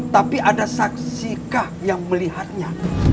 tapi ada saksi kah yang melihatnya